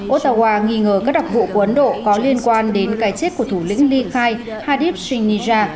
osawa nghi ngờ các đặc vụ của ấn độ có liên quan đến cái chết của thủ lĩnh ly khai hadiv srinija